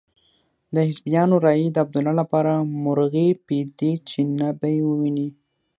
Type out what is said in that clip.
د حزبیانو رایې د عبدالله لپاره مرغۍ پۍ دي چې نه به يې وویني.